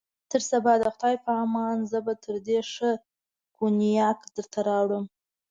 تر سبا د خدای په امان، زه به تر دې ښه کونیاک درته راوړم.